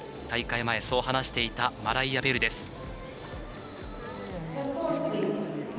大会前に、そう話していたマライア・ベルです。